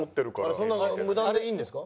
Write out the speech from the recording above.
そんな無断でいいんですか？